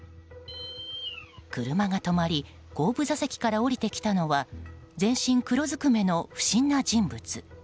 車が止まり後部座席から降りてきたのは全身黒ずくめの不審な人物。